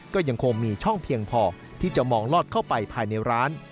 ก็ยังคงมีช่องเพียงพอที่จะมองลอดเข้าไปภายในร้าน